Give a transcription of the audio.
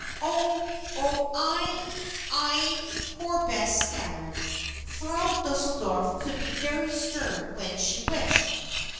"Oh oh I I " poor Bess stammered, Frau Deuseldorf could be very stern when she wished.